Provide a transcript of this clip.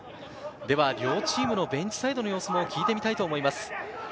両チームのベンチサイドの様子も聞いてみたいと思います。